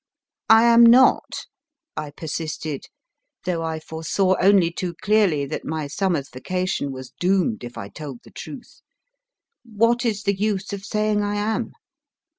I am not, I per sisted, though I foresaw only too clearly that my summer s vacation was doomed if I told the truth. What is the use of saying I am